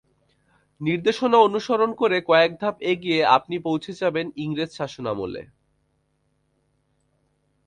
নির্দেশনা অনুসরণ করে কয়েক ধাপ এগিয়ে আপনি পৌঁছে যাবেন ইংরেজ শাসনামলে।